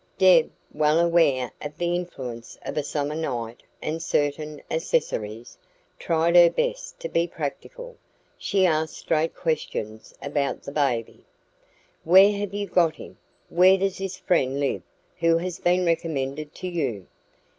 Deb, well aware of the influence of a summer night and certain accessories, tried her best to be practical. She asked straight questions about the baby. "Where have you got him? Where does this friend live who has been recommended to you?"